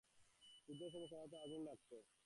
যুদ্ধের সময় ক্রমাগত আগুন লাগত, আর সে আগুন নিবুতে হত।